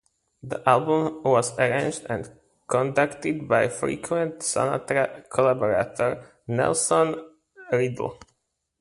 The album was arranged and conducted by frequent Sinatra collaborator Nelson Riddle.